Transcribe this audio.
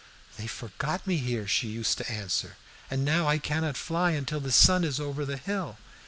"'They forgot me here,' she used to answer, 'and now I cannot fly until the sun is over the hill.